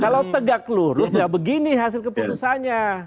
kalau tegak lurus ya begini hasil keputusannya